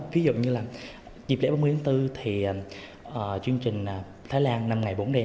ví dụ như là dịp lễ ba mươi tháng bốn thì chương trình thái lan năm ngày bốn d